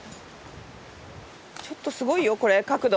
ちょっとすごいよこれ角度。